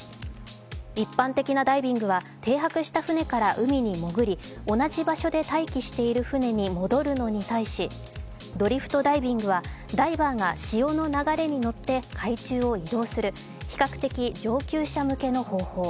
一般的なダイビングは停泊した船から海に潜り同じ場所で待機している船に戻るのに対しドリフトダイビングはダイバーが潮の流れに乗って海中を移動する比較的上級者向けの方法。